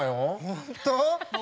本当？